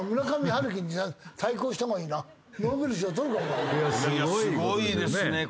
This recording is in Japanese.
いやすごいですね。